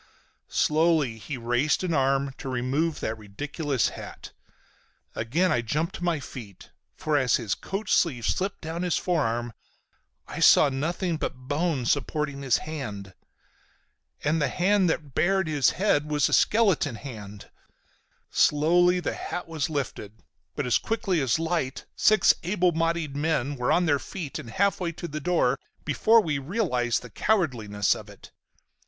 Slowly he raised an arm to remove that ridiculous hat. Again I jumped to my feet. For as his coat sleeve slipped down his forearm I saw nothing but bone supporting his hand. And the hand that then bared his head was a skeleton hand! Slowly the hat was lifted, but as quickly as light six able bodied men were on their feet and half way to the door before we realized the cowardliness of it.